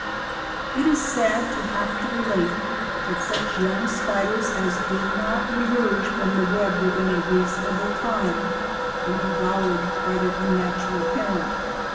It is sad to have to relate that such young spiders as did not emerge from the web within a reasonable time were devoured by their unnatural parent.